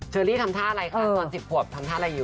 อรี่ทำท่าอะไรคะตอน๑๐ขวบทำท่าอะไรอยู่